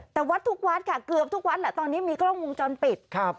แต่วัดทุกวัดค่ะเกือบทุกวัดแหละตอนนี้มีกล้องวงจรปิดครับ